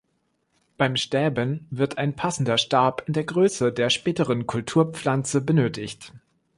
Beim Stäben wird ein passender Stab in der Größe der späteren Kulturpflanze benötigt.